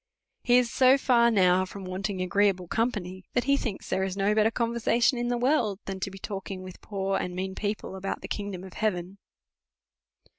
He is so far now from wanting agreeable company, that he thinks there is no better conversation in the world, than to be talking with poor and mean people about the kin,^dom of heaven.